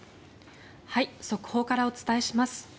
速報からお伝えします。